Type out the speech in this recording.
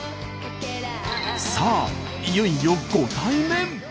さあいよいよご対面。